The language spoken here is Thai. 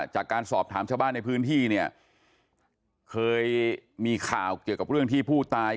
จากการสอบถามชาวบ้านในพื้นที่เนี่ยเคยมีข่าวเกี่ยวกับเรื่องที่ผู้ตาย